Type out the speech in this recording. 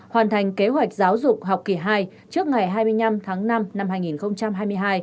hoàn thành kế hoạch giáo dục học kỳ hai trước ngày hai mươi năm tháng năm năm hai nghìn hai mươi hai